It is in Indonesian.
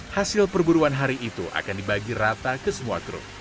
hasil perburuan hari itu akan dibagi rata ke semua grup